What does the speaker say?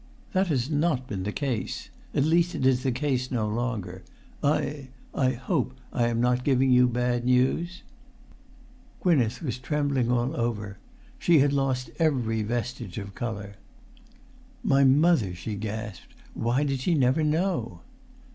That has not been the case; at least it is the case no longer. I—I hope I am not giving you bad news?" Gwynneth was trembling all over. She had lost every vestige of colour. "My mother!" she gasped. "Why did she never know?"